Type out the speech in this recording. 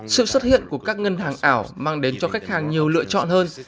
sự xuất hiện của các ngân hàng ảo mang đến cho khách hàng nhiều lựa chọn hơn